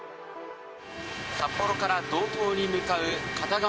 札幌から道東に向かう片側